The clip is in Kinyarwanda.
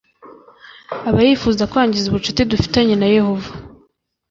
Aba yifuza kwangiza ubucuti dufitanye na Yehova